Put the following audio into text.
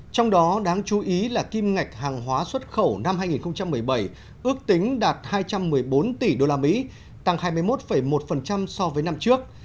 trong đó đáng chú ý là kim ngạch hàng hóa xuất khẩu năm hai nghìn một mươi bảy ước tính đạt hai trăm một mươi bốn tỷ usd tăng hai mươi một một so với năm trước